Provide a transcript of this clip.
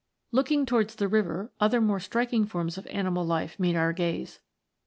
Looking towards the river, other more striking forms of animal life meet our gaze.